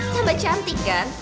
tambah cantik kan